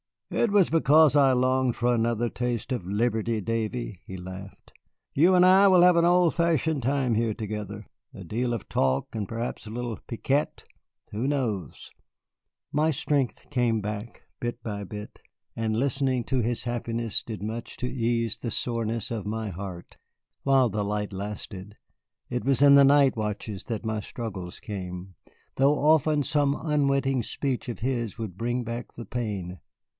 "It was because I longed for another taste of liberty, Davy," he laughed. "You and I will have an old fashioned time here together, a deal of talk, and perhaps a little piquet, who knows?" My strength came back, bit by bit, and listening to his happiness did much to ease the soreness of my heart while the light lasted. It was in the night watches that my struggles came though often some unwitting speech of his would bring back the pain.